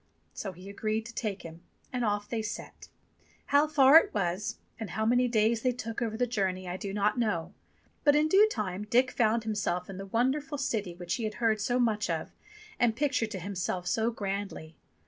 So he agreed to take him, and off they set. How far it was and how many days they took over the journey I do not know, but in due time Dick found himself in the wonderful city which he had heard so much of and pictured to himself so grandly.